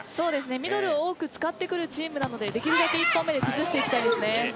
ミドルを多く使ってくるチームなのでできるだけ１本目で崩していきたいですね。